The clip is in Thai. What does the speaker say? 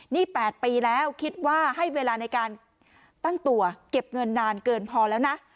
นี่๘ปีแล้วคิดว่าให้เวลาในการตั้งตัวเก็บเงินนานเกินพอแล้วนะ